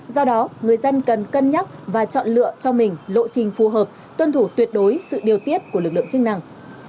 do đó người dân cần cân nhắc và chọn lựa cho mình lộ trình phù hợp tuân thủ tuyệt đối sự điều tiết của lực lượng chức năng